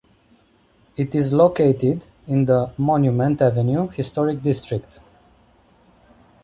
It is located in the Monument Avenue Historic District.